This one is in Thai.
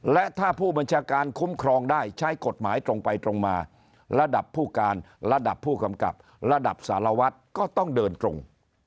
และถ้าผู้บัญชาการคุ้มครองได้ใช้กฎหมายตรงไปตรงมาระดับผู้การระดับผู้กำกับระดับสารวัตรก็ต้องเดินตรง